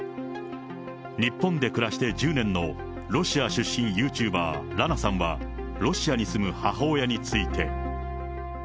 日本で暮らして１０年のロシア出身ユーチューバー、ラナさんはロシアに住む母親について。